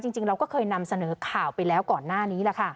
จริงเราก็เคยนำเสนอข่าวไปแล้วก่อนหน้านี้แหละค่ะ